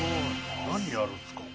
何やるんすか？